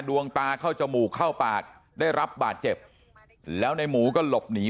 ดวงตาเข้าจมูกเข้าปากได้รับบาดเจ็บแล้วในหมูก็หลบหนี